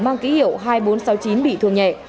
mang ký hiệu hai nghìn bốn trăm sáu mươi chín bị thương nhẹ